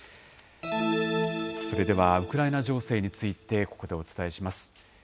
それでは、ウクライナ情勢について、ここでお伝えします。